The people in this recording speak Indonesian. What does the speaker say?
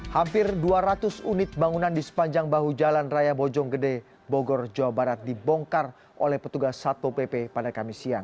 hampir dua ratus unit bangunan di sepanjang bahu jalan raya bojonggede bogor jawa barat dibongkar oleh petugas satpo pp pada kamis siang